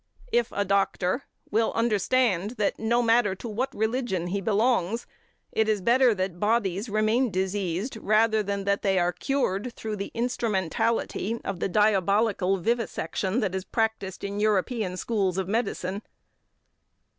if a doctor, will understand, that no matter to what religion he belongs, it is better that bodies remain diseased rather than that they are cured through the instrumentality of the diabolical vivisection that is practised in European schools of medicine; 8.